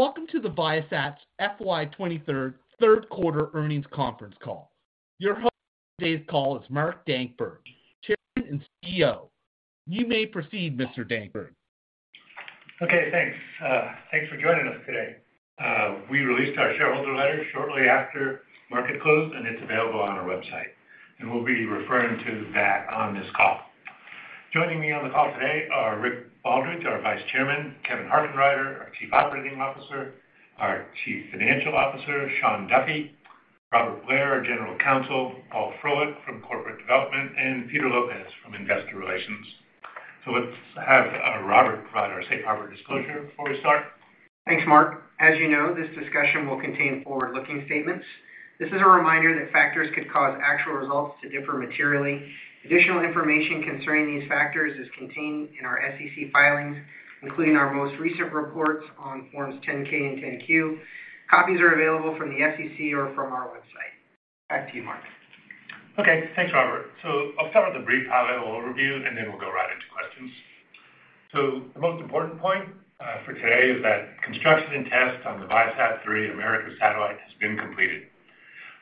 Welcome to the Viasat's FY 2023 third quarter earnings conference call. Your host for today's call is Mark Dankberg, Chairman and CEO. You may proceed, Mr. Dankberg. Okay, thanks. Thanks for joining us today. We released our shareholder letter shortly after market close, and it's available on our website, and we'll be referring to that on this call. Joining me on the call today are Rick Baldridge, our Vice Chairman, Kevin Harkenrider, our Chief Operating Officer, our Chief Financial Officer, Shawn Duffy, Robert Blair, our General Counsel, Paul Froelich from Corporate Development, and Peter Lopez from Investor Relations. Let's have Robert provide our safe harbor disclosure before we start. Thanks, Mark. As you know, this discussion will contain forward-looking statements. This is a reminder that factors could cause actual results to differ materially. Additional information concerning these factors is contained in our SEC filings, including our most recent reports on Forms 10-K and 10-Q. Copies are available from the SEC or from our website. Back to you, Mark. Okay. Thanks, Robert. I'll start with a brief high-level overview, and then we'll go right into questions. The most important point for today is that construction and test on the ViaSat-3 America satellite has been completed.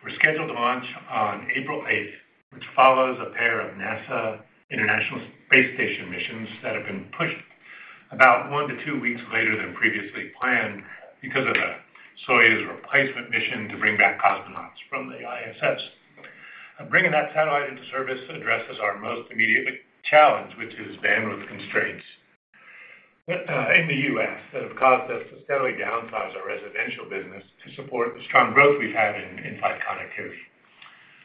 We're scheduled to launch on April 8th, which follows a pair of NASA International Space Station missions that have been pushed about one to two weeks later than previously planned because of a Soyuz replacement mission to bring back cosmonauts from the ISS. Bringing that satellite into service addresses our most immediate challenge, which is bandwidth constraints in the U.S., that have caused us to steadily downsize our residential business to support the strong growth we've had in in-flight connectivity.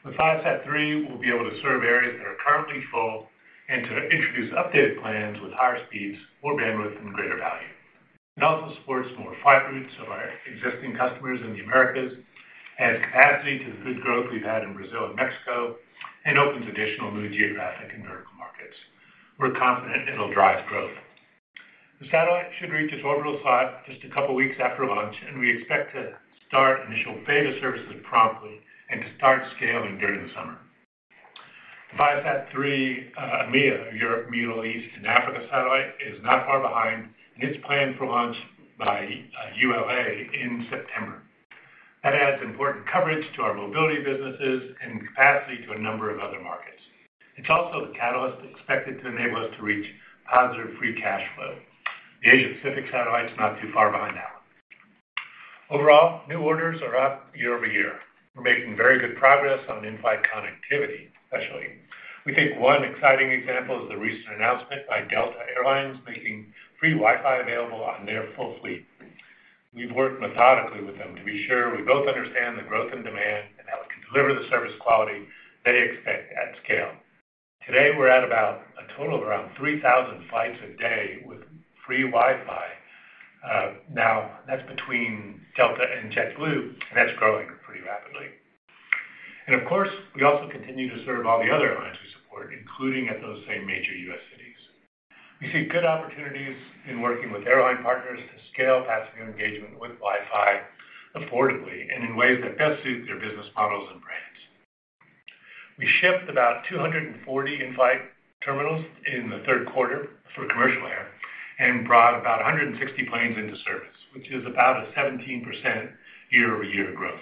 With ViaSat-3, we'll be able to serve areas that are currently full and to introduce updated plans with higher speeds, more bandwidth, and greater value. It also supports more flight routes of our existing customers in the Americas, adds capacity to the good growth we've had in Brazil and Mexico, and opens additional new geographic and vertical markets. We're confident it'll drive growth. The satellite should reach its orbital slot just a couple weeks after launch, and we expect to start initial beta services promptly and to start scaling during the summer. The ViaSat-3 EMEA, Europe, Middle East, and Africa satellite is not far behind, and it's planned for launch by ULA in September. That adds important coverage to our mobility businesses and capacity to a number of other markets. It's also the catalyst expected to enable us to reach positive free cash flow. The Asia-Pacific satellite's not too far behind that one. Overall, new orders are up year-over-year. We're making very good progress on in-flight connectivity, especially. We think one exciting example is the recent announcement by Delta Air Lines making free Wi-Fi available on their full fleet. We've worked methodically with them to be sure we both understand the growth in demand and how we can deliver the service quality they expect at scale. Today, we're at about a total of around 3,000 flights a day with free Wi-Fi. Now that's between Delta and JetBlue, and that's growing pretty rapidly. Of course, we also continue to serve all the other airlines we support, including at those same major U.S., cities. We see good opportunities in working with airline partners to scale passenger engagement with Wi-Fi affordably and in ways that best suit their business models and brands. We shipped about 240 in-flight terminals in the third quarter for commercial air and brought about 160 planes into service, which is about a 17% year-over-year growth.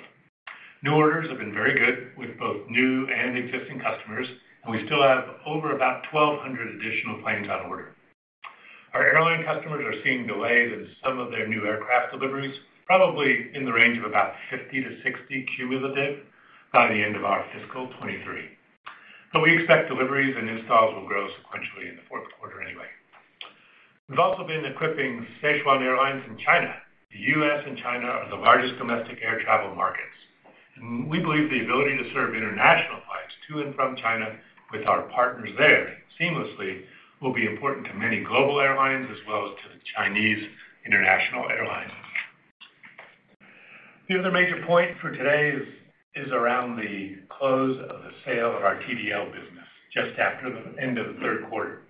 New orders have been very good with both new and existing customers, and we still have over about 1,200 additional planes on order. Our airline customers are seeing delays in some of their new aircraft deliveries, probably in the range of about 50-60 Q of the dip by the end of our FY 2023. We expect deliveries and installs will grow sequentially in the fourth quarter anyway. We've also been equipping Sichuan Airlines in China. The U.S., and China are the largest domestic air travel markets, and we believe the ability to serve international flights to and from China with our partners there seamlessly will be important to many global airlines as well as to the Chinese international airlines. The other major point for today is around the close of the sale of our TDL business just after the end of the third quarter.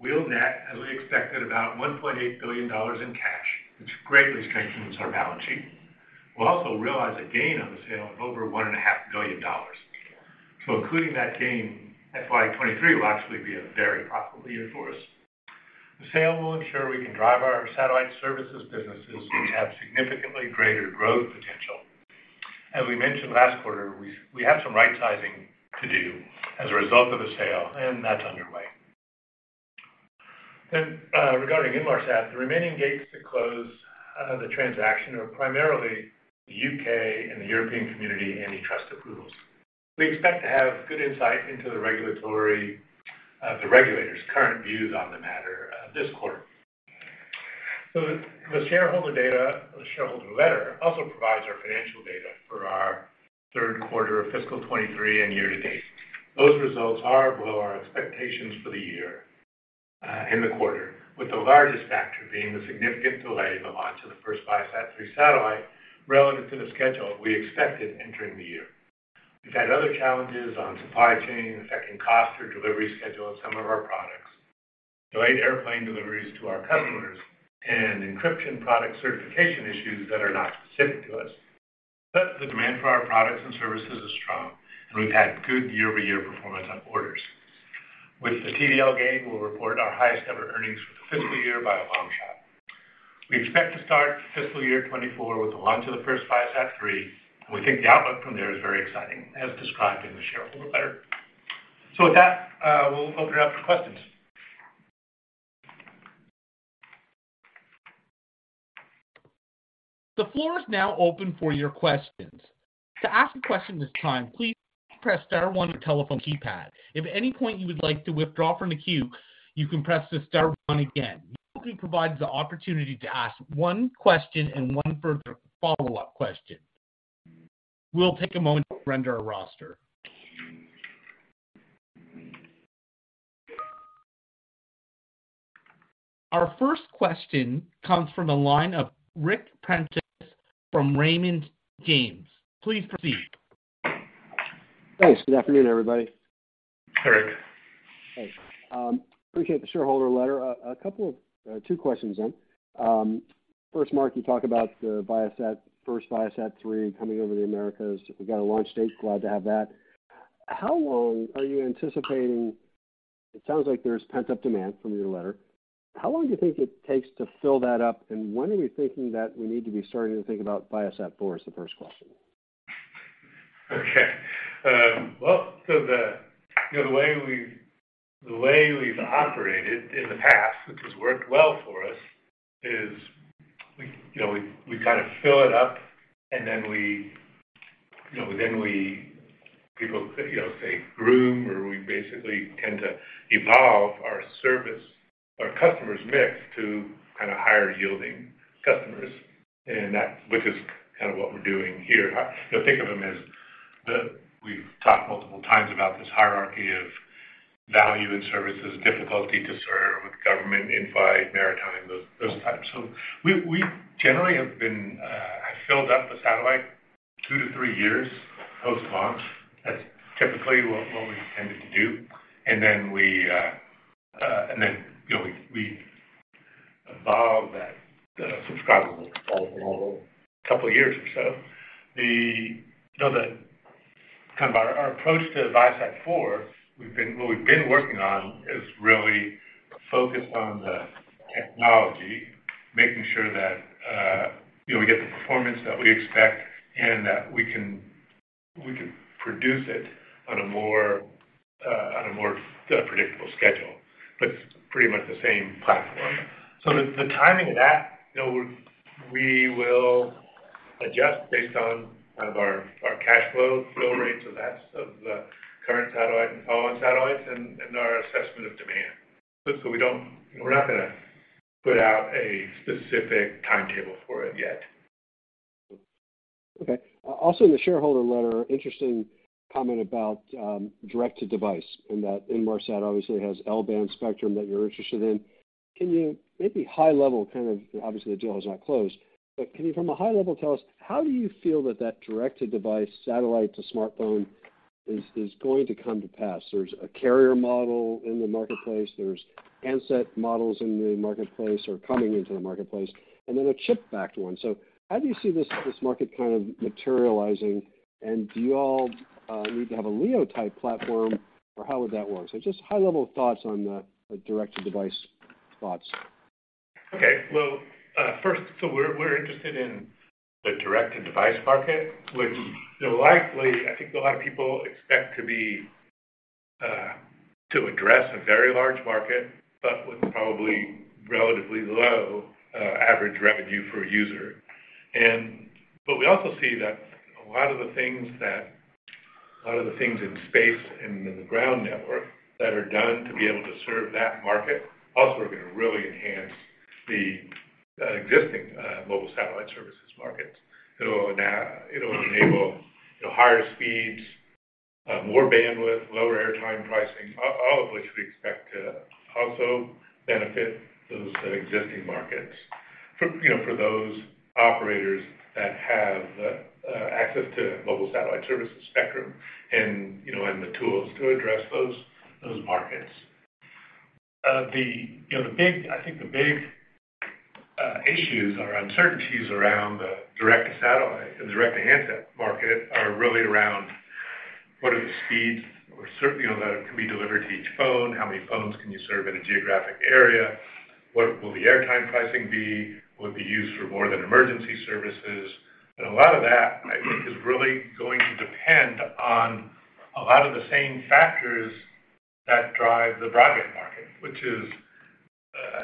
We'll net, as we expected, about $1.8 billion in cash, which greatly strengthens our balance sheet. We'll also realize a gain on the sale of over one and a half billion dollars. Including that gain, FY 2023 will actually be a very profitable year for us. The sale will ensure we can drive our satellite services businesses that have significantly greater growth potential. As we mentioned last quarter, we have some right sizing to do as a result of the sale, and that's underway. Regarding Inmarsat, the remaining gates to close the transaction are primarily the U.K., and the European community antitrust approvals. We expect to have good insight into the regulatory, the regulators' current views on the matter this quarter. The shareholder letter also provides our financial data for our third quarter of fiscal FY 2023 and year to date. Those results are below our expectations for the year in the quarter, with the largest factor being the significant delay of the launch of the first ViaSat-3 satellite relative to the schedule we expected entering the year. We've had other challenges on supply chain affecting cost or delivery schedule of some of our products, delayed airplane deliveries to our customers, and encryption product certification issues that are not specific to us. The demand for our products and services is strong, and we've had good year-over-year performance on orders. With the TDL gain, we'll report our highest ever earnings for the fiscal year by a long shot. We expect to start fiscal year 2024 with the launch of the first ViaSat-3, and we think the outlook from there is very exciting, as described in the shareholder letter. With that, we'll open it up for questions. The floor is now open for your questions. To ask a question this time, please press star one on your telephone keypad. If at any point you would like to withdraw from the queue, you can press the star one again. You will be provided the opportunity to ask one question and one further follow-up question. We'll take a moment to render our roster. Our first question comes from the line of Ric Prentiss from Raymond James. Please proceed. Thanks. Good afternoon, everybody. Hey, Ric. Hey. Appreciate the shareholder letter. Two questions then. First, Mark, you talk about the Viasat, first ViaSat-3 coming over the Americas. We got a launch date. Glad to have that. How long are you anticipating? It sounds like there's pent-up demand from your letter. How long do you think it takes to fill that up, and when are we thinking that we need to be starting to think about ViaSat-4 is the first question? Okay. Well, the, you know, the way we've operated in the past, which has worked well for us, is we, you know, we kind of fill it up and then we, you know, then we, people, you know, say groom or we basically tend to evolve our service, our customers mix to kind of higher yielding customers and that, which is kind of what we're doing here. You know, think of them as the, we've talked multiple times about this hierarchy of value and services, difficulty to serve with government, info, maritime, those types. We generally have been, have filled up the satellite two to three years post-launch. That's typically what we've tended to do. Then we, you know, we evolve that, the subscriber base over a couple of years or so. You know, the kind of our approach to ViaSat-4, what we've been working on is really focused on the technology, making sure that, you know, we get the performance that we expect and that we can produce it on a more predictable schedule, but pretty much the same platform. The timing of that, you know, we will adjust based on kind of our cash flow rates of that, of the current satellite and following satellites and our assessment of demand. We don't. You know, we're not gonna put out a specific timetable for it yet. Okay. Also in the shareholder letter, interesting comment about direct to device and that Inmarsat obviously has L-band spectrum that you're interested in. Obviously, the deal is not closed. Can you from a high level tell us how do you feel that that direct to device satellite to smartphone is going to come to pass? There's a carrier model in the marketplace, there's handset models in the marketplace or coming into the marketplace, and then a chip-backed one. How do you see this market kind of materializing, and do you all need to have a LEO type platform, or how would that work? Just high-level thoughts on the direct-to-device thoughts. Well, first, we're interested in the direct-to-device market, which, you know, likely I think a lot of people expect to be to address a very large market, but with probably relatively low average revenue per user. We also see that a lot of the things in space and in the ground network that are done to be able to serve that market also are gonna really enhance the existing mobile satellite services market. It'll enable, you know, higher speeds, more bandwidth, lower airtime pricing, all of which we expect to also benefit those existing markets for, you know, for those operators that have access to mobile satellite services spectrum and, you know, and the tools to address those markets. The, you know, the big. I think the big issues or uncertainties around the direct-to-handset market are really around what are the speeds or certain, you know, that can be delivered to each phone? How many phones can you serve in a geographic area? What will the airtime pricing be? Will it be used for more than emergency services? A lot of that, I think, is really going to depend on a lot of the same factors that drive the broadband market. Which is,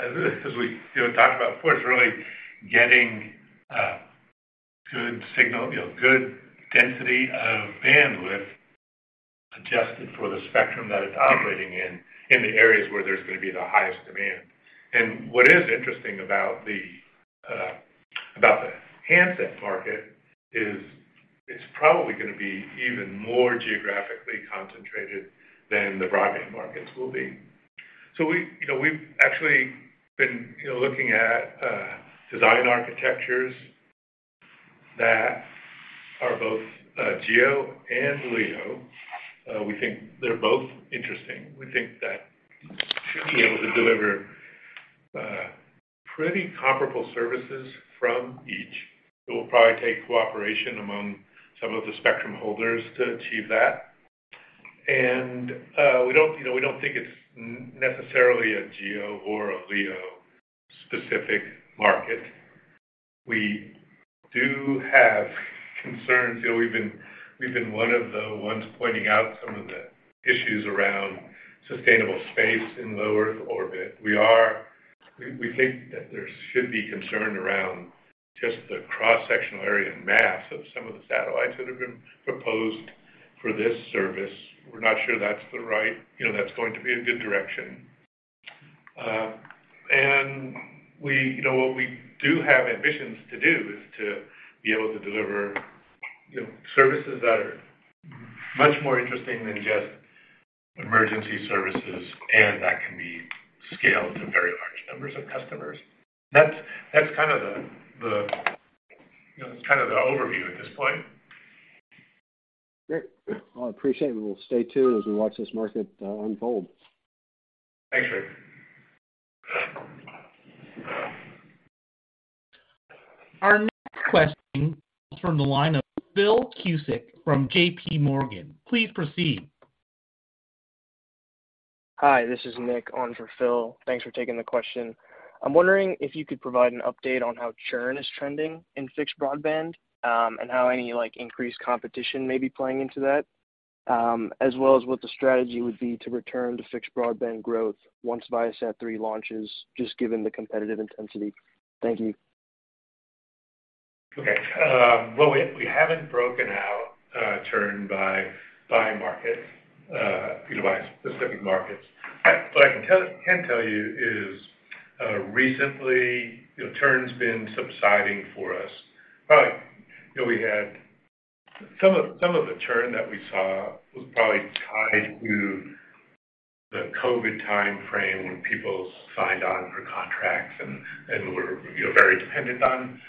as we, you know, talked about before, it's really getting good signal, you know, good density of bandwidth adjusted for the spectrum that it's operating in the areas where there's gonna be the highest demand. What is interesting about the handset market is it's probably gonna be even more geographically concentrated than the broadband markets will be. We, you know, we've actually been, you know, looking at design architectures that are both GEO and LEO. We think they're both interesting. Be able to deliver, pretty comparable services from each. It will probably take cooperation among some of the spectrum holders to achieve that. We don't, you know, we don't think it's necessarily a GEO or a LEO specific market. We do have concerns. You know, we've been one of the ones pointing out some of the issues around sustainable space in lower Earth orbit. We think that there should be concern around just the cross-sectional area and mass of some of the satellites that have been proposed for this service. We're not sure that's the right, you know, that's going to be a good direction. We, you know, what we do have ambitions to do is to be able to deliver, you know, services that are much more interesting than just emergency services, and that can be scaled to very large numbers of customers. That's kind of the, you know, that's kind of the overview at this point. Great. Well, I appreciate it. We'll stay tuned as we watch this market unfold. Thanks, Ric. Our next question comes from the line of Phil Cusick from JP Morgan. Please proceed. Hi, this is Nick on for Phil. Thanks for taking the question. I'm wondering if you could provide an update on how churn is trending in fixed broadband, and how any, like, increased competition may be playing into that, as well as what the strategy would be to return to fixed broadband growth once ViaSat-3 launches, just given the competitive intensity? Thank you. Well, we haven't broken out churn by market, by specific markets. What I can tell you is, recently, you know, churn's been subsiding for us. Probably, you know, we had some of the churn that we saw was probably tied to the COVID timeframe when people signed on for contracts and were, you know, very dependent on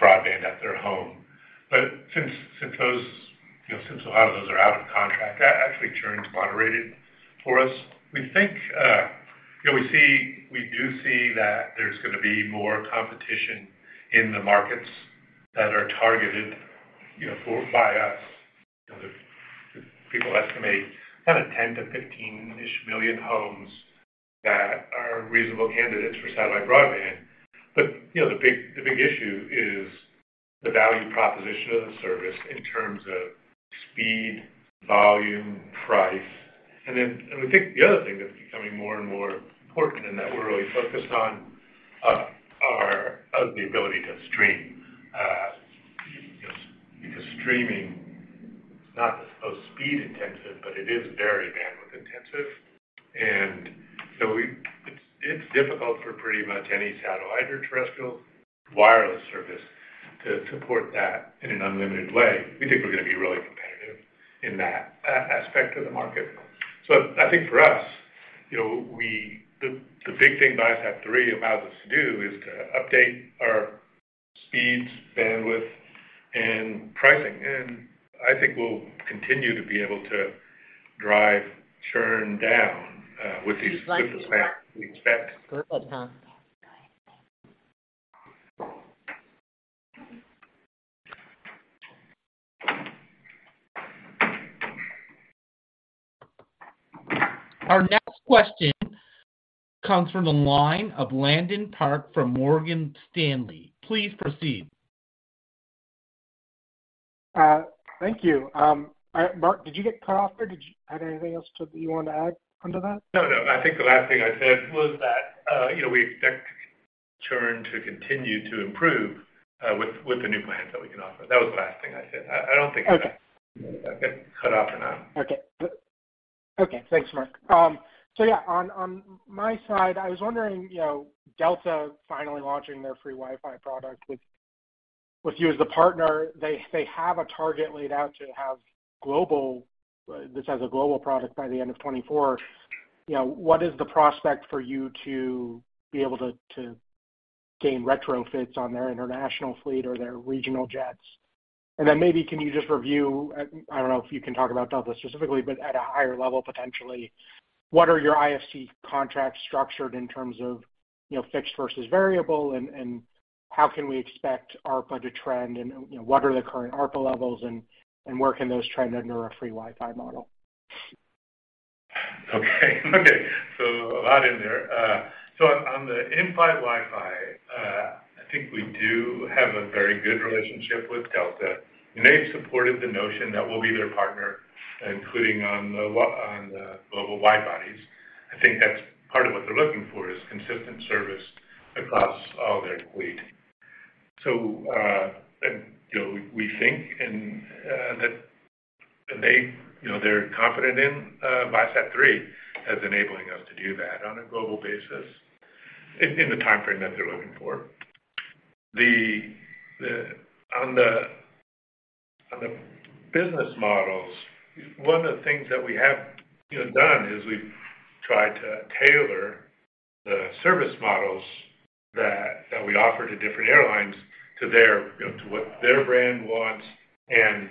broadband at their home. Since those, you know, since a lot of those are out of contract, actually churn's moderated for us. We think, you know, we do see that there's gonna be more competition in the markets that are targeted, you know, by us. You know, the people estimate kind of 10-15 million homes that are reasonable candidates for satellite broadband. You know, the big issue is the value proposition of the service in terms of speed, volume, price. We think the other thing that's becoming more and more important and that we're really focused on are the ability to stream. You know, because streaming is not the most speed intensive, but it is very bandwidth intensive. It's difficult for pretty much any satellite or terrestrial wireless service to support that in an unlimited way. We think we're gonna be really competitive in that aspect of the market. I think for us, you know, the big thing ViaSat-3 allows us to do is to update our speeds, bandwidth, and pricing. I think we'll continue to be able to drive churn down with the plans we expect. Our next question comes from the line of Landon Park from Morgan Stanley. Please proceed. Thank you. Mark, did you get cut off there? Did you have anything else you want to add onto that? No, no. I think the last thing I said was that, you know, we expect churn to continue to improve, with the new plans that we can offer. That was the last thing I said. I don't think Okay. I got cut off and I. Okay. Okay. Thanks, Mark. Yeah, on my side, I was wondering, you know, Delta finally launching their free Wi-Fi product with you as the partner. They have a target laid out to have this has a global product by the end of 2024. You know, what is the prospect for you to be able to gain retrofits on their international fleet or their regional jets? Maybe can you just review, I don't know if you can talk about Delta specifically, but at a higher level potentially, what are your IFC contracts structured in terms of, you know, fixed versus variable? And how can we expect ARPA to trend and, you know, what are the current ARPA levels and where can those trend under a free Wi-Fi model? Okay. Okay. A lot in there. On the in-flight Wi-Fi, I think we do have a very good relationship with Delta, they've supported the notion that we'll be their partner, including on the global wide bodies. I think that's part of what they're looking for is consistent service across all their fleet. You know, we think and, that they, you know, they're confident in ViaSat-3 as enabling us to do that on a global basis in the timeframe that they're looking for. On the business models, one of the things that we have, you know, done is we've tried to tailor the service models that we offer to different airlines to their, you know, to what their brand wants and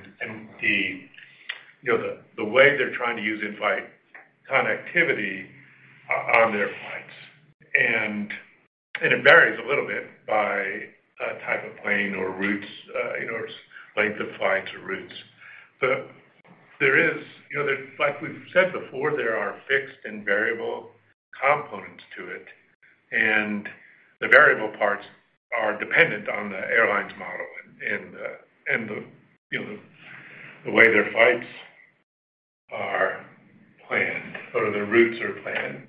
the way they're trying to use in-flight connectivity on their flights. It varies a little bit by type of plane or routes, you know, or length of flights or routes. There is. You know, like we've said before, there are fixed and variable components to it, and the variable parts are dependent on the airline's model and the, you know, the way their flights are planned or their routes are planned.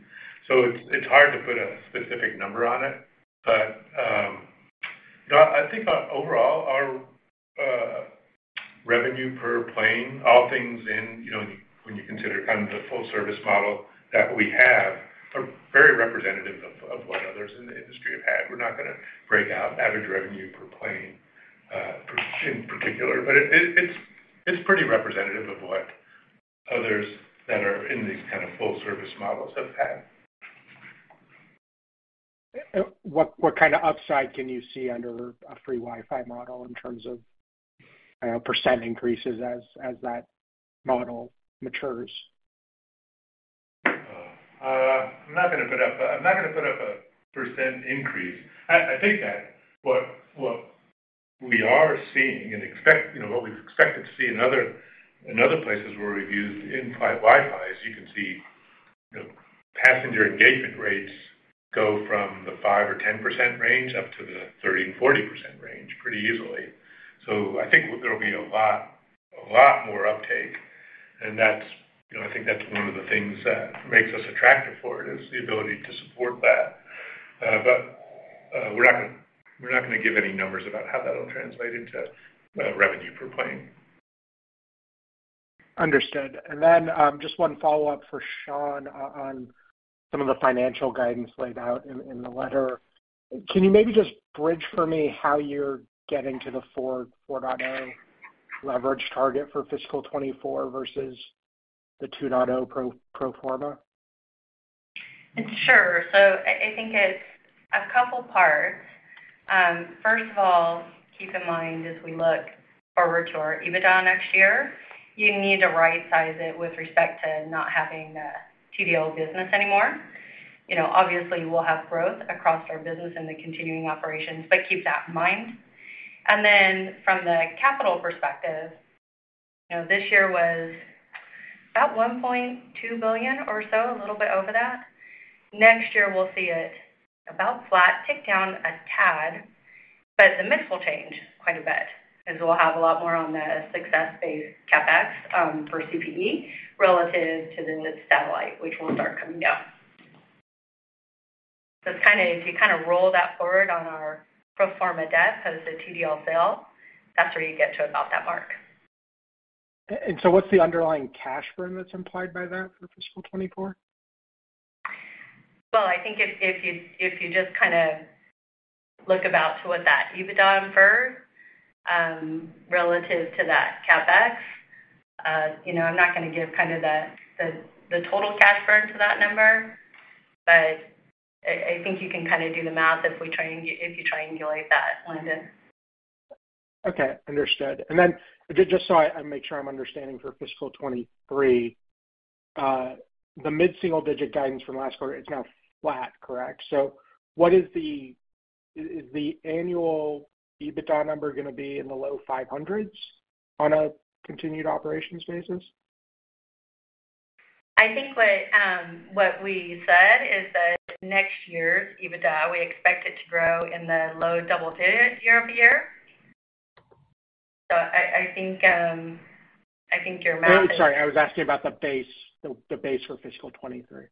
It's hard to put a specific number on it. You know, I think overall our revenue per plane, all things in, you know, when you consider kind of the full service model that we have, are very representative of what others in the industry have had. We're not gonna break out average revenue per plane, in particular, but it's pretty representative of what others that are in these kind of full service models have had. What kind of upside can you see under a free Wi-Fi model in terms of percent increases as that model matures? I'm not gonna put up a percent increase. I think that what we are seeing and you know, what we've expected to see in other places where we've used in-flight Wi-Fi is you can see, you know, passenger engagement rates go from the 5% or 10% range up to the 30% and 40% range pretty easily. I think there will be a lot more uptake, and you know, I think that's one of the things that makes us attractive for it, is the ability to support that. We're not gonna give any numbers about how that'll translate into revenue per plane. Understood. Just one follow-up for Shawn on some of the financial guidance laid out in the letter. Can you maybe just bridge for me how you're getting to the 4.0 leverage target for FY 2024 versus the 2.0 pro forma? Sure. I think it's a couple parts. First of all, keep in mind as we look forward to our EBITDA next year, you need to rightsize it with respect to not having the TDL business anymore. You know, obviously we'll have growth across our business in the continuing operations, keep that in mind. From the capital perspective, you know, this year was about $1.2 billion or so, a little bit over that. Next year we'll see it about flat, tick down a tad, the mix will change quite a bit as we'll have a lot more on the success-based CapEx for CPE relative to the satellite, which will start coming down. If you kinda roll that forward on our pro forma debt post the TDL sale, that's where you get to about that mark. What's the underlying cash burn that's implied by that for FY 2024? I think if you just kinda look about to what that EBITDA inferred, relative to that CapEx, you know, I'm not gonna give kind of the total cash burn to that number, but I think you can kinda do the math if you triangulate that, Landon. Okay, understood. Just so I make sure I'm understanding for fiscal 2023, the mid-single-digit guidance from last quarter is now flat, correct? What is the annual EBITDA number gonna be in the low $500s on a continued operations basis? I think what we said is that next year's EBITDA, we expect it to grow in the low double digits year-over-year. I think, I think your math. Oh, I'm sorry. I was asking about the base for Fiscal 2023.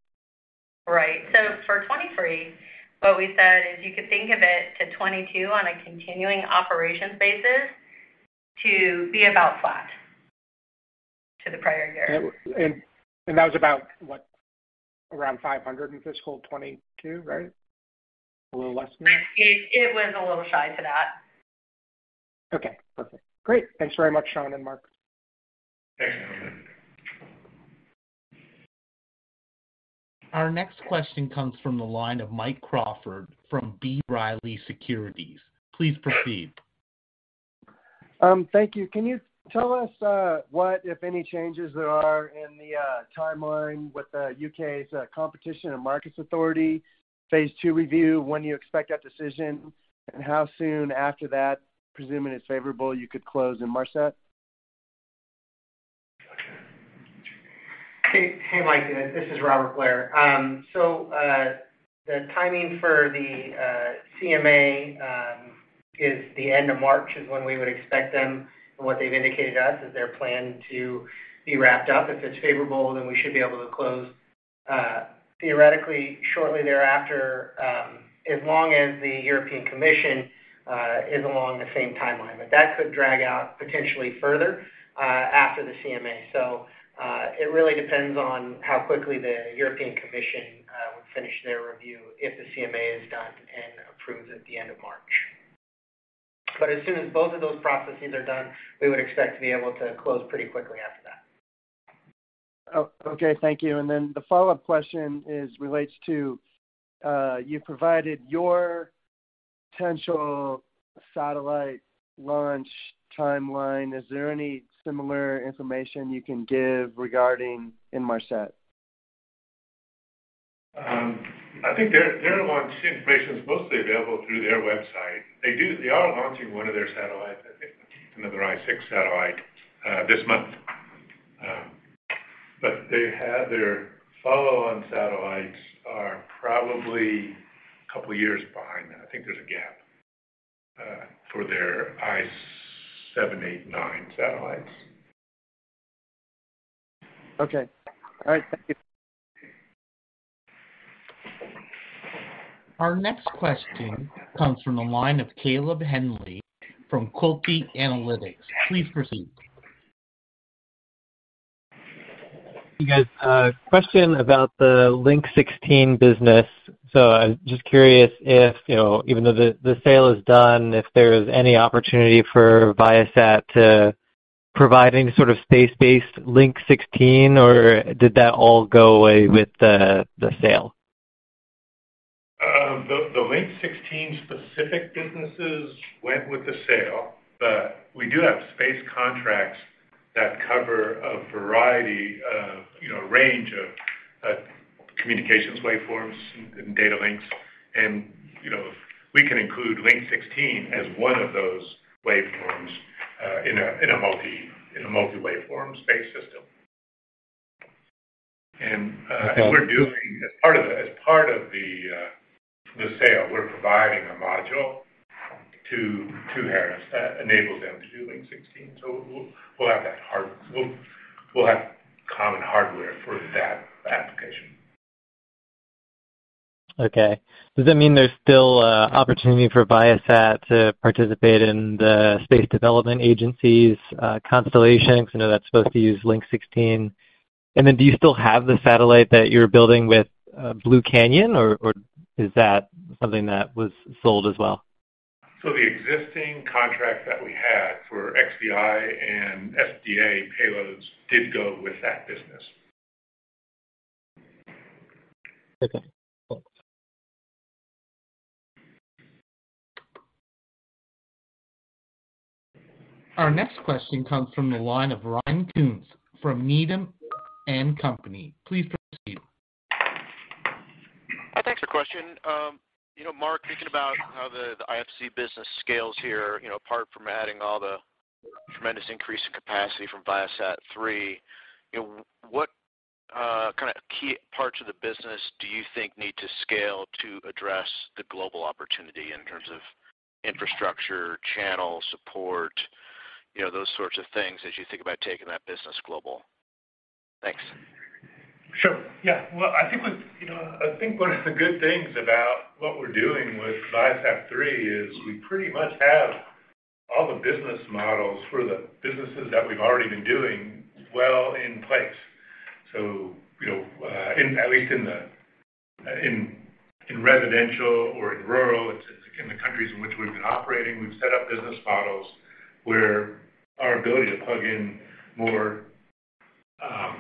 Right. For 2023, what we said is you could think of it to 2022 on a continuing operations basis to be about flat to the prior year. That was about, what, around $500 in fiscal 2022, right? A little less than that? It was a little shy to that. Okay, perfect. Great. Thanks very much, Shawn and Mark. Thanks. Our next question comes from the line of Mike Crawford from B. Riley Securities. Please proceed. Thank you. Can you tell us what, if any, changes there are in the timeline with the U.K.'s, Competition and Markets Authority Phase Two review? When do you expect that decision, and how soon after that, presuming it's favorable, you could close Inmarsat? Hey, hey, Mike. This is Robert Blair. The timing for the CMA is the end of March is when we would expect them, from what they've indicated to us, is their plan to be wrapped up. If it's favorable, then we should be able to close theoretically shortly thereafter, as long as the European Commission is along the same timeline. That could drag out potentially further after the CMA. It really depends on how quickly the European Commission would finish their review if the CMA is done and approves at the end of March. As soon as both of those processes are done, we would expect to be able to close pretty quickly after that. Oh, okay. Thank you. The follow-up question relates to, you provided your potential satellite launch timeline. Is there any similar information you can give regarding Inmarsat? I think their launch information is mostly available through their website. They are launching one of their satellites, I think another I-6 satellite, this month. They have their follow-on satellites are probably a couple years behind that. I think there's a gap for their I-789 satellites. Okay. All right. Thank you. Our next question comes from the line of Caleb Henry from Quilty Analytics. Please proceed. You guys, a question about the Link 16 business. I'm just curious if, you know, even though the sale is done, if there is any opportunity for Viasat to provide any sort of space-based Link 16, or did that all go away with the sale? The Link 16 specific businesses went with the sale. We do have space contracts that cover a variety of, you know, range of communications waveforms and data links. You know, we can include Link 16 as one of those waveforms in a multi-waveform space system. And we're doing as part of the sale, we're providing a module to L3Harris that enables them to do Link 16. We'll have common hardware for that application. Okay. Does that mean there's still opportunity for Viasat to participate in the Space Development Agency's constellations? I know that's supposed to use Link 16. Do you still have the satellite that you're building with Blue Canyon or is that something that was sold as well? The existing contract that we had for XDI and SDA payloads did go with that business. Okay, cool. Our next question comes from the line of Ryan Koontz from Needham & Company. Please proceed. Thanks for question. you know, Mark, thinking about how the IFC business scales here, you know, apart from adding all the tremendous increase in capacity from ViaSat-3, you know, what kind of key parts of the business do you think need to scale to address the global opportunity in terms of infrastructure, channel support, you know, those sorts of things as you think about taking that business global? Thanks. Sure. Yeah. Well, I think what's, you know, I think one of the good things about what we're doing with ViaSat-3 is we pretty much have all the business models for the businesses that we've already been doing well in place. You know, at least in the, in residential or in rural, it's, in the countries in which we've been operating, we've set up business models where our ability to plug in more, well,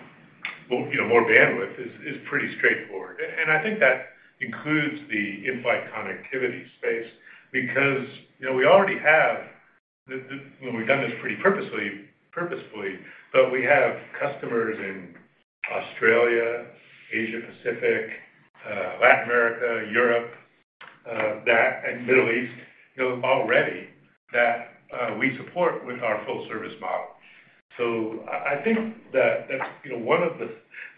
you know, more bandwidth is pretty straightforward. And I think that includes the in-flight connectivity space because, you know, we already have and we've done this pretty purposefully, but we have customers in Australia, Asia-Pacific, Latin America, Europe, that and Middle East, you know, already that we support with our full service model. I think that that's, you know, one of the.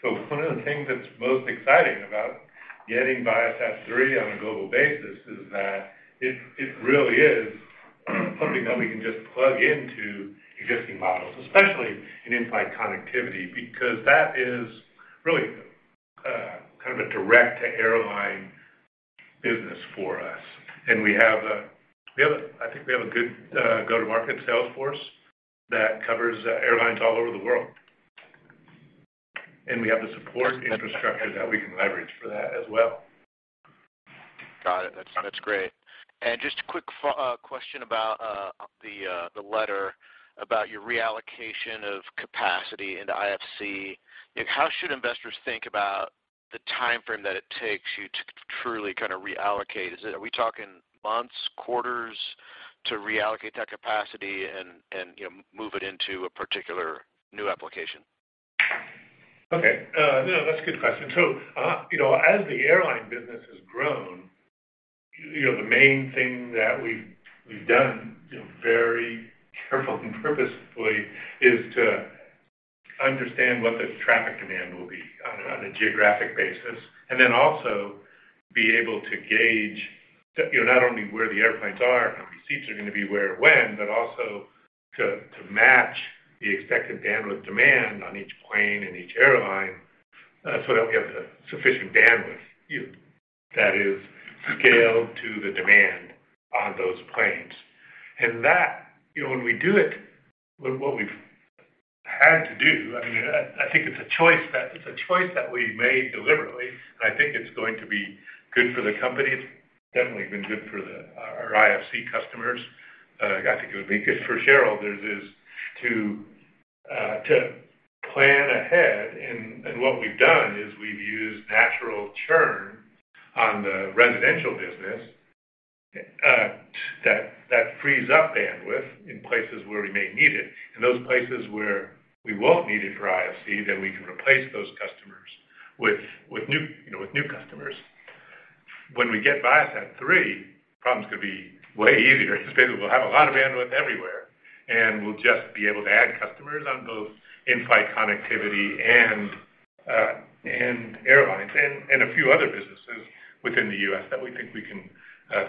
One of the things that's most exciting about getting ViaSat-3 on a global basis is that it really is something that we can just plug into existing models, especially in in-flight connectivity, because that is really kind of a direct-to-airline business for us. We have a, I think we have a good go-to-market sales force that covers airlines all over the world. We have the support infrastructure that we can leverage for that as well. Got it. That's great. Just a quick question about the letter about your reallocation of capacity into IFC. How should investors think about the timeframe that it takes you to truly kind of reallocate? Are we talking months, quarters to reallocate that capacity and, you know, move it into a particular new application? Okay. No, that's a good question. You know, as the airline business has grown, you know, the main thing that we've done, you know, very careful and purposefully is to understand what the traffic demand will be on a geographic basis, and then also be able to gauge, you know, not only where the airplanes are and when seats are gonna be where or when, but also to match the expected bandwidth demand on each plane and each airline, so that we have the sufficient bandwidth, you know, that is scaled to the demand on those planes. That, you know, when we do it, what we've had to do, I mean, I think it's a choice that we've made deliberately. I think it's going to be good for the company. Definitely been good for our IFC customers. I think it would be good for shareholders is to plan ahead. What we've done is we've used natural churn on the residential business that frees up bandwidth in places where we may need it. In those places where we won't need it for IFC, we can replace those customers with new, you know, with new customers. When we get ViaSat-3, problems could be way easier because we'll have a lot of bandwidth everywhere, and we'll just be able to add customers on both in-flight connectivity and airlines and a few other businesses within the U.S., that we think we can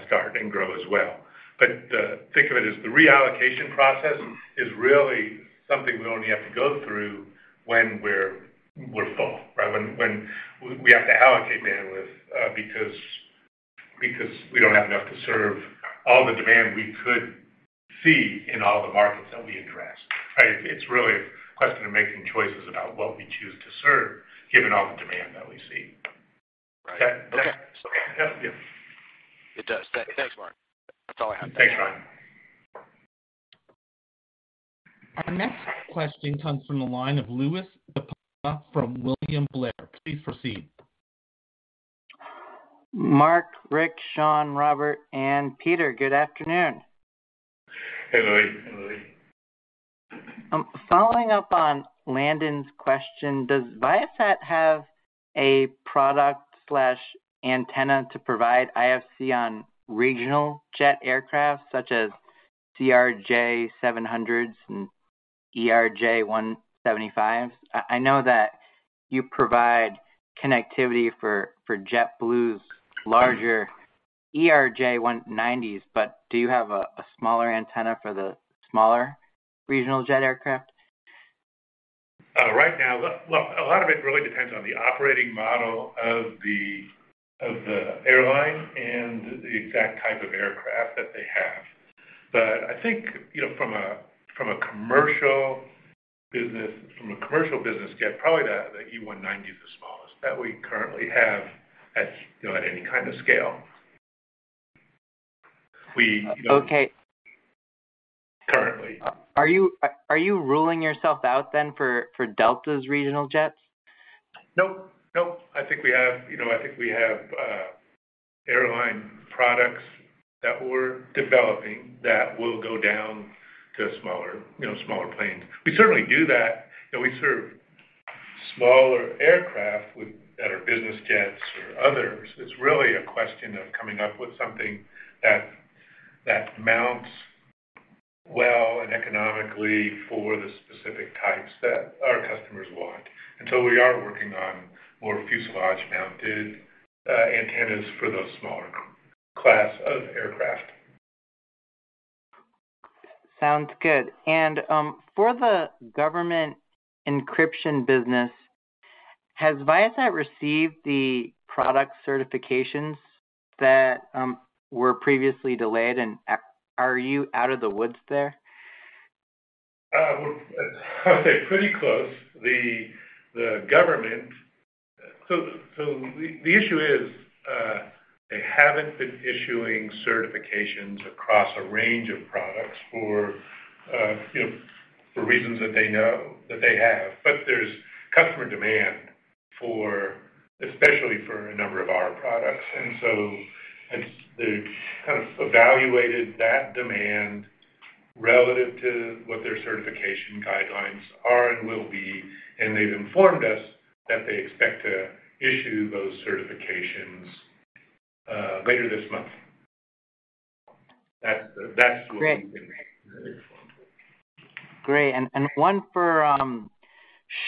start and grow as well. Think of it as the reallocation process is really something we only have to go through when we're full, right? When we have to allocate bandwidth because we don't have enough to serve all the demand we could see in all the markets that we address, right? It's really a question of making choices about what we choose to serve given all the demand that we see. Right. Okay. Does that help you? It does. Thanks, Mark. That's all I have. Thanks, Ryan. Our next question comes from the line of Louie DiPalma from William Blair. Please proceed. Mark, Rick, Shawn, Robert, and Peter, good afternoon. Hey, Louie. Following up on Landon's question, does Viasat have a product/antenna to provide IFC on regional jet aircraft such as CRJ700s and E175s? I know that you provide connectivity for JetBlue's larger E190s, but do you have a smaller antenna for the smaller regional jet aircraft? Right now. Well, a lot of it really depends on the operating model of the, of the airline and the exact type of aircraft that they have. I think, you know, from a, from a commercial business, from a commercial business jet, probably the E190 is the smallest that we currently have at, you know, at any kind of scale. We, you know. Okay. Currently. Are you ruling yourself out then for Delta's regional jets? Nope. Nope. I think we have, you know, airline products that we're developing that will go down to smaller, you know, smaller planes. We certainly do that, and we serve smaller aircraft with that are business jets or others. It's really a question of coming up with something that mounts well and economically for the specific types that our customers want. We are working on more fuselage-mounted antennas for those smaller class of aircraft. Sounds good. For the government encryption business, has Viasat received the product certifications that were previously delayed, and are you out of the woods there? I'd say pretty close. The government. The issue is, they haven't been issuing certifications across a range of products for, you know, for reasons that they know that they have. There's customer demand for, especially for a number of our products. They've kind of evaluated that demand relative to what their certification guidelines are and will be, and they've informed us that they expect to issue those certifications later this month. That's what we've been informed. Great. Great. One for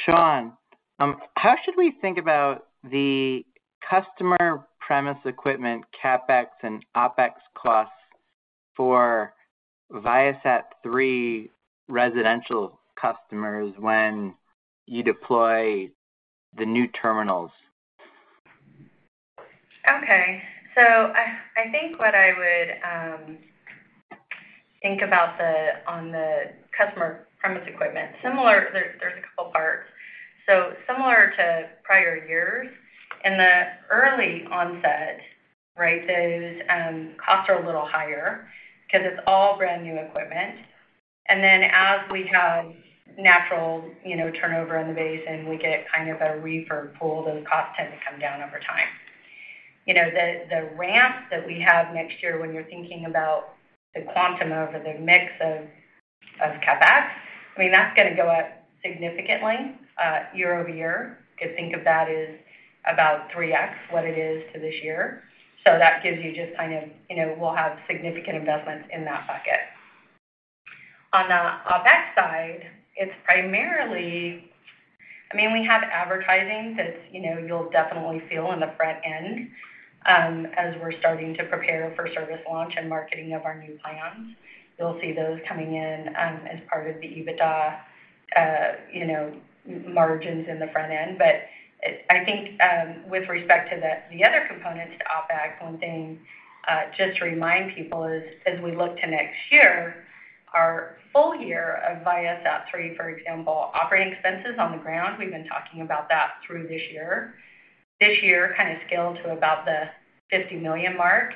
Shawn. How should we think about the customer premise equipment CapEx and OpEx costs for ViaSat-3 residential customers when you deploy the new terminals? Okay. I think what I would think about on the customer premise equipment. There's a couple parts. Similar to prior years, in the early onset, right, those costs are a little higher because it's all brand-new equipment. Then as we have natural, you know, turnover in the base and we get kind of a refurb pool, those costs tend to come down over time. You know, the ramp that we have next year when you're thinking about the quantum of the mix of CapEx, I mean, that's gonna go up significantly year-over-year. You could think of that as about 3x what it is to this year. That gives you just kind of, you know, we'll have significant investments in that bucket. On the OpEx side, it's primarily, I mean, we have advertising that, you know, you'll definitely feel on the front end, as we're starting to prepare for service launch and marketing of our new plans. You'll see those coming in, as part of the EBITDA, you know, margins in the front end. I think, with respect to the other components to OpEx, one thing, just to remind people is as we look to next year. Our full year of ViaSat-3, for example, operating expenses on the ground, we've been talking about that through this year. This year kind of scaled to about the $50 million mark.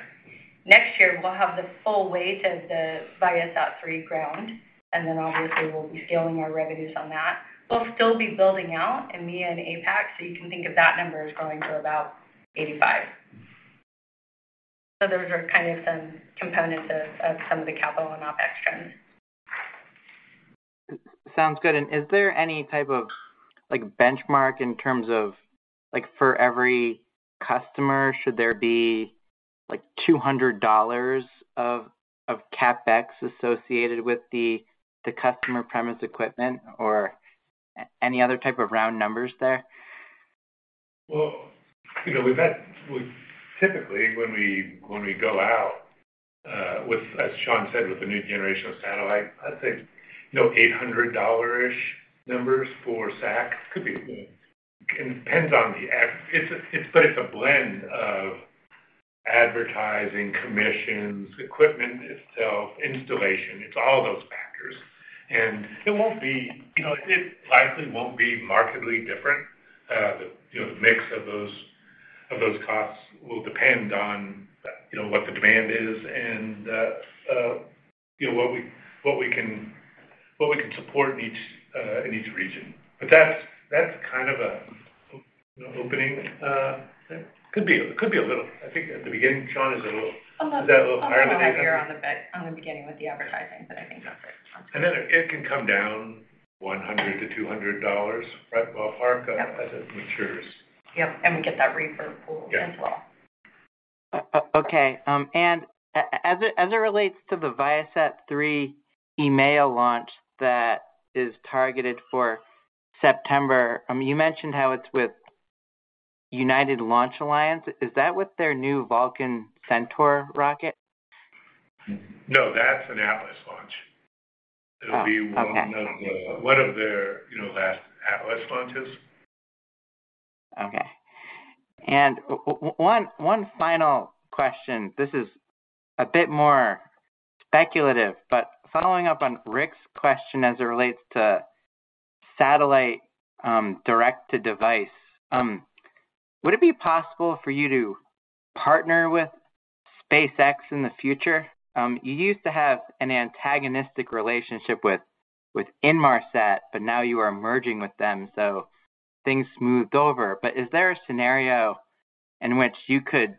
Next year, we'll have the full weight of the ViaSat-3 ground, and then obviously we'll be scaling our revenues on that. We'll still be building out in MEA and APAC, you can think of that number as growing to about 85. Those are kind of some components of some of the capital and OpEx trends. Sounds good. Is there any type of, like, benchmark in terms of, like, for every customer, should there be, like, $200 of CapEx associated with the customer premise equipment or any other type of round numbers there? Well, you know, Typically, when we go out, with, as Shawn said, with the new generation of satellite, I'd say, you know, $800 numbers for SAC. Yeah. Depends on the ad. It's a blend of advertising, commissions, equipment itself, installation. It's all those factors. It won't be, you know, it likely won't be markedly different. The, you know, the mix of those, of those costs will depend on, you know, what the demand is and, you know, what we can support in each, in each region. That's, that's kind of a, an opening. Could be a little. I think at the beginning, Shawn, is a little. A little. Is that a little higher than you think? A little heavier on the beginning with the advertising, but I think that's it. It can come down $100-$200, right? Yep. As it matures. Yep. We get that refurb pool as well. Yeah. Okay. As it relates to the ViaSat-3 EMEA launch that is targeted for September, you mentioned how it's with United Launch Alliance. Is that with their new Vulcan Centaur rocket? No, that's an Atlas launch. Oh, okay. It'll be one of the, one of their, you know, last Atlas launches. Okay. One final question. This is a bit more speculative, but following up on Ric's question as it relates to satellite, direct to device, would it be possible for you to partner with SpaceX in the future? You used to have an antagonistic relationship with Inmarsat, but now you are merging with them, so things smoothed over. Is there a scenario in which you could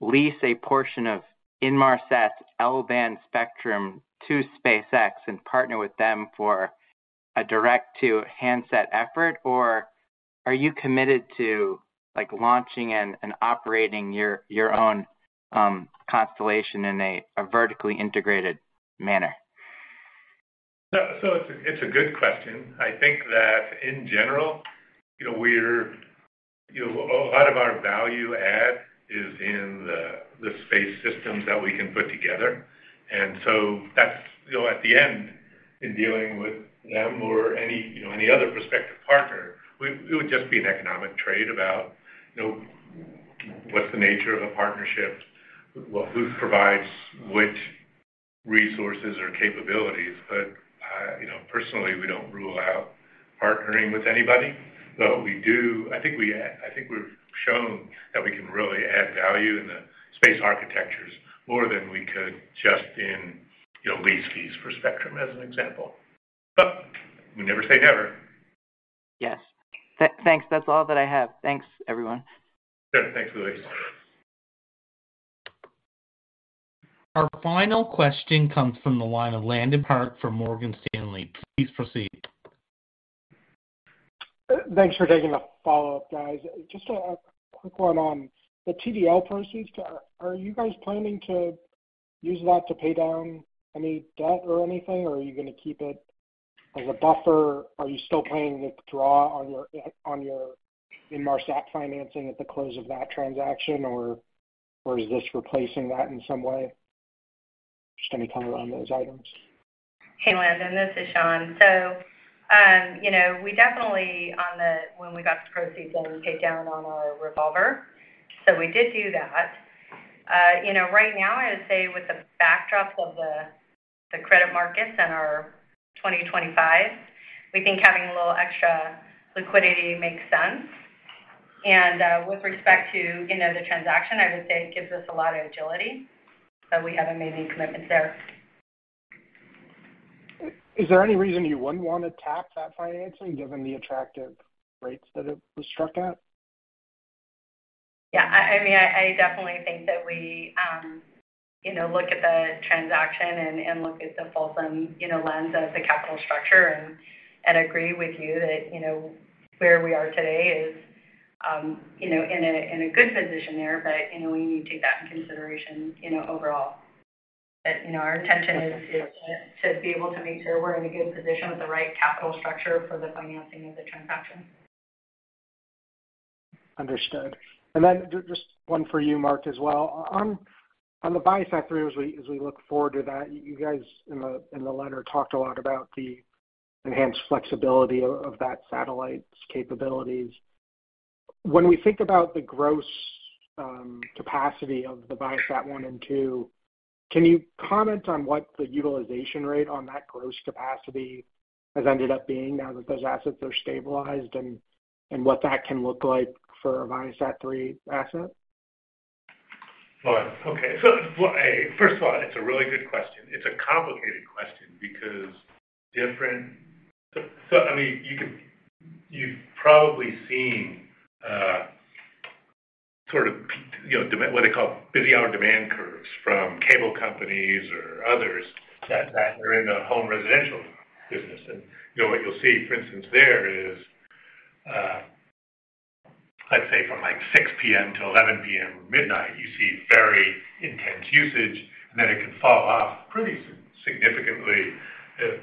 lease a portion of Inmarsat's L-band spectrum to SpaceX and partner with them for a direct-to-handset effort, or are you committed to, like, launching and operating your own constellation in a vertically integrated manner? It's a good question. I think that in general, you know, we're, you know, a lot of our value add is in the space systems that we can put together. That's, you know, at the end in dealing with them or any, you know, any other prospective partner, it would just be an economic trade about, you know, what's the nature of a partnership, well, who provides which resources or capabilities. You know, personally, we don't rule out partnering with anybody, but I think we've shown that we can really add value in the space architectures more than we could just in, you know, lease fees for spectrum, as an example. We never say never. Yes. Thanks. That's all that I have. Thanks, everyone. Sure. Thanks, Louie. Our final question comes from the line of Landon Park from Morgan Stanley. Please proceed. Thanks for taking the follow-up, guys. Just a quick one on the TDL proceeds. Are you guys planning to use that to pay down any debt or anything, or are you gonna keep it as a buffer? Are you still planning to draw on your Inmarsat financing at the close of that transaction, or is this replacing that in some way? Just any color on those items. Hey, Landon, this is Shawn. You know, we definitely when we got the proceeds, wanted to pay down on our revolver. We did do that. You know, right now I would say with the backdrop of the credit markets and our 2025, we think having a little extra liquidity makes sense. With respect to, you know, the transaction, I would say it gives us a lot of agility, but we haven't made any commitments there. Is there any reason you wouldn't want to tap that financing given the attractive rates that it was struck at? Yeah. I mean, I definitely think that we, you know, look at the transaction and look at the fulsome, you know, lens of the capital structure and agree with you that, you know, where we are today is, you know, in a good position there. You know, we need to take that into consideration, you know, overall. You know, our intention is to be able to make sure we're in a good position with the right capital structure for the financing of the transaction. Understood. Just one for you, Mark, as well. On the ViaSat-3, as we look forward to that, you guys in the letter talked a lot about the enhanced flexibility of that satellite's capabilities. When we think about the gross capacity of the ViaSat-1 and ViaSat-2, can you comment on what the utilization rate on that gross capacity has ended up being now that those assets are stabilized and what that can look like for a ViaSat-3 asset? Well, okay. First of all, it's a really good question. It's a complicated question because different... I mean, you've probably seen, sort of, you know, what they call busy hour demand curves from cable companies or others that are in the home residential business. You know, what you'll see, for instance, there is, let's say from like 6:00 P.M. till 11:00 P.M. or midnight, you see very intense usage, and then it can fall off pretty significantly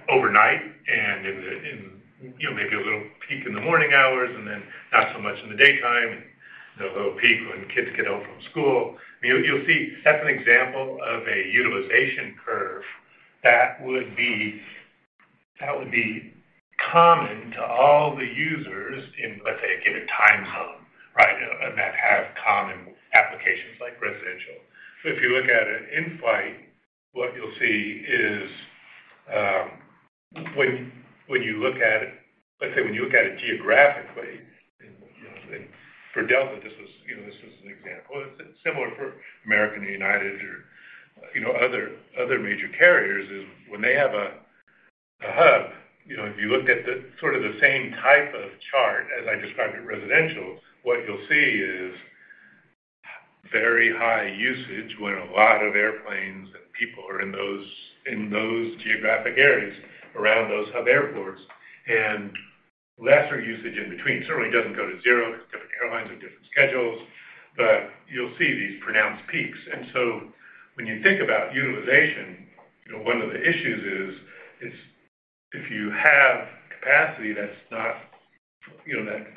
overnight. In the, you know, maybe a little peak in the morning hours and then not so much in the daytime, and a little peak when kids get home from school. You'll see that's an example of a utilization curve that would be common to all the users in, let's say, a given time zone, right? That have common applications like residential. If you look at it in flight, what you'll see is when you look at it, let's say when you look at it geographically, you know, for Delta, this was, you know, this was an example. Similar for American or United or, you know, other major carriers is when they have a hub, you know, if you looked at the sort of the same type of chart as I described at residential, what you'll see is very high usage when a lot of airplanes and people are in those geographic areas around those hub airports, and lesser usage in between. Certainly doesn't go to zero because different airlines have different schedules, but you'll see these pronounced peaks. When you think about utilization, you know, one of the issues is if you have capacity that's not, you know, that's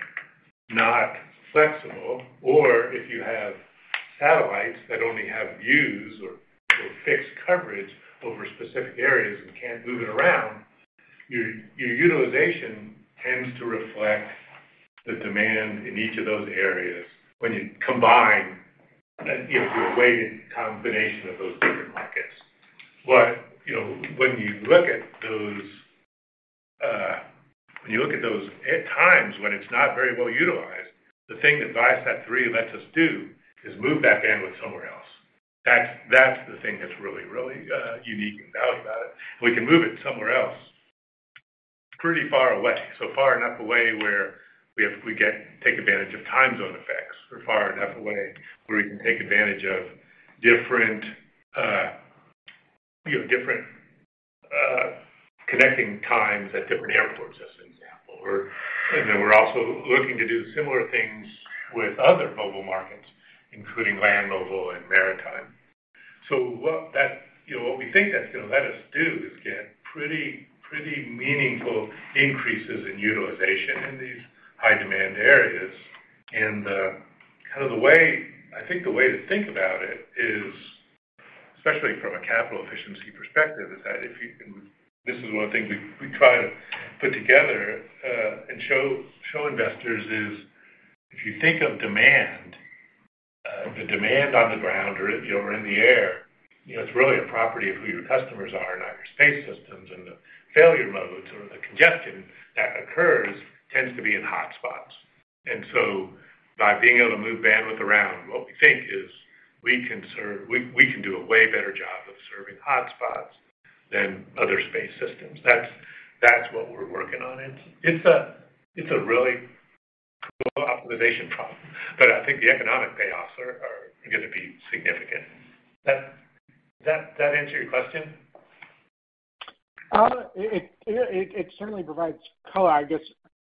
not flexible, or if you have satellites that only have views or fixed coverage over specific areas and can't move it around, your utilization tends to reflect the demand in each of those areas when you combine, you know, a weighted combination of those different markets. When you look at those, you know, when you look at those at times when it's not very well utilized, the thing that ViaSat-3 lets us do is move that bandwidth somewhere else. That's the thing that's really, really unique and valuable about it. We can move it somewhere else pretty far away, so far enough away where we get take advantage of time zone effects. We're far enough away where we can take advantage of different, you know, different connecting times at different airports, as an example. We're also looking to do similar things with other mobile markets, including land mobile and maritime. You know, what we think that's gonna let us do is get pretty meaningful increases in utilization in these high demand areas. Kind of the way I think to think about it is, especially from a capital efficiency perspective, is that this is one of the things we try to put together and show investors is if you think of demand, the demand on the ground or, you know, or in the air, you know, it's really a property of who your customers are, not your space systems. The failure modes or the congestion that occurs tends to be in hotspots. By being able to move bandwidth around, what we think is we can do a way better job of serving hotspots than other space systems. That's what we're working on. It's a really cool optimization problem, but I think the economic payoffs are gonna be significant. That answer your question? It certainly provides color. I guess.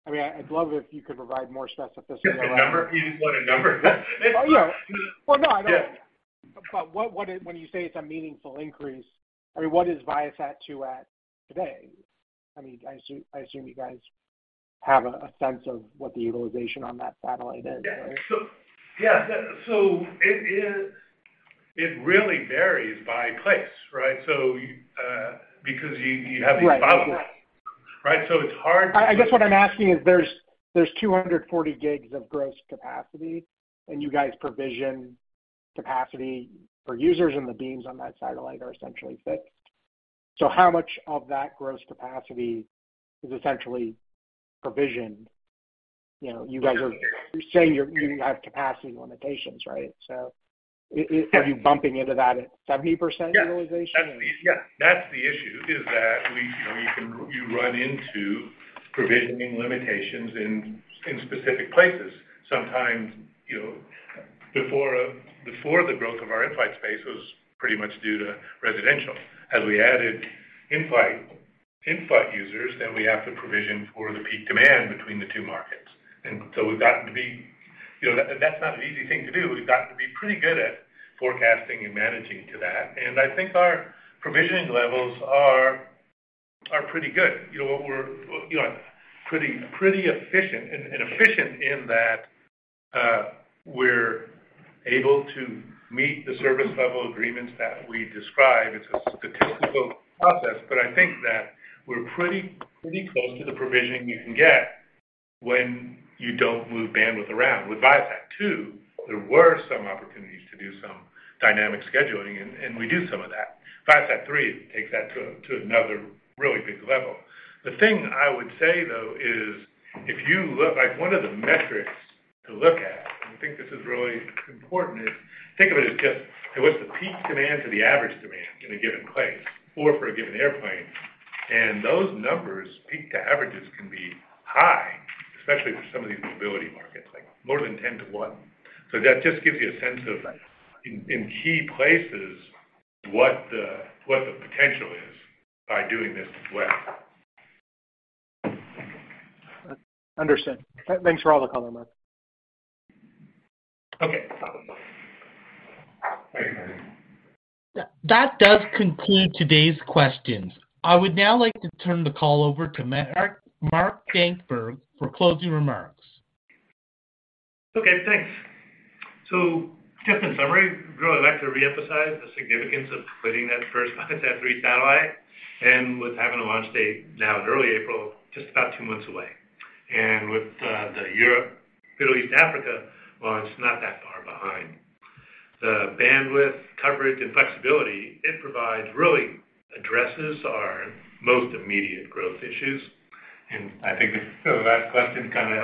I mean, I'd love if you could provide more specificity around. You just want a number? Yeah. Well, no. Yeah. What it, when you say it's a meaningful increase, I mean, what is ViaSat-2 at today? I mean, I assume you guys have a sense of what the utilization on that satellite is, right? Yeah. Yeah. It really varies by place, right? Because you have these bottlenecks. Right. Right? It's hard. I guess what I'm asking is there's 240 GB of gross capacity, and you guys provision capacity for users, and the beams on that satellite are essentially fixed. How much of that gross capacity is essentially provisioned? You know, you guys are saying you have capacity limitations, right? Are you bumping into that at 70% utilization? Yeah. That's the issue, is that we, you know, you run into provisioning limitations in specific places. Sometimes, you know, before the growth of our in-flight space was pretty much due to residential. As we added in-flight users, then we have to provision for the peak demand between the two markets. You know, that's not an easy thing to do. We've gotten to be pretty good at forecasting and managing to that. I think our provisioning levels are pretty good. You know, pretty efficient. Efficient in that, we're able to meet the service level agreements that we describe. It's a statistical process, but I think that we're pretty close to the provisioning you can get when you don't move bandwidth around. With ViaSat-2, there were some opportunities to do some dynamic scheduling, and we do some of that. ViaSat-3 takes that to another really big level. The thing I would say, though, is if you look, like, one of the metrics to look at, and I think this is really important, is think of it as just what's the peak demand to the average demand in a given place or for a given airplane. Those numbers, peak to averages, can be high, especially for some of these mobility markets, like more than 10 to one. That just gives you a sense of, in key places, what the potential is by doing this as well. Understood. Thanks for all the color, Mark. Okay. Thank you. That does conclude today's questions. I would now like to turn the call over to Mark Dankberg for closing remarks. Thanks. Just in summary, really like to reemphasize the significance of completing that first ViaSat-3 satellite and with having a launch date now in early April, just about two months away. With the Europe, Middle East, Africa launch not that far behind. The bandwidth, coverage, and flexibility it provides really addresses our most immediate growth issues. I think the last question kind of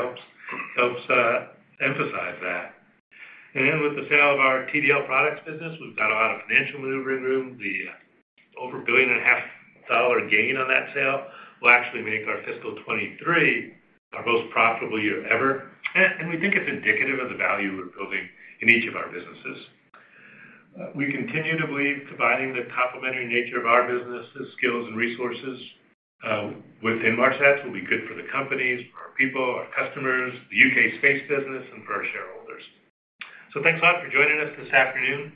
helps emphasize that. With the sale of our TDL products business, we've got a lot of financial maneuvering room. The over billion and a half dollar gain on that sale will actually make our fiscal23 our most profitable year ever. And we think it's indicative of the value we're building in each of our businesses. We continue to believe combining the complementary nature of our businesses, skills, and resources, within Viasat will be good for the companies, our people, our customers, the U.K., space business, and for our shareholders. Thanks a lot for joining us this afternoon.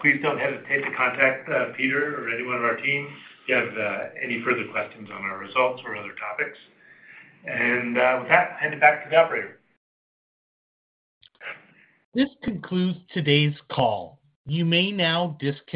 Please don't hesitate to contact Peter or anyone on our team if you have any further questions on our results or other topics. With that, hand it back to the operator. This concludes today's call. You may now disconnect.